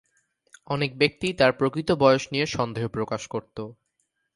অনেক ব্যক্তিই তার প্রকৃত বয়স নিয়ে সন্দেহ প্রকাশ করতো।